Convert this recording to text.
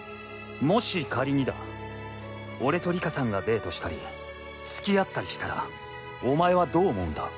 もし仮にだ俺と里佳さんがデートしたり付き合ったりしたらお前はどう思うんだ？